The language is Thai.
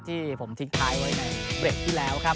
ที่ผมทิ้งท้ายไว้ละครั้งเก็บที่แล้วครับ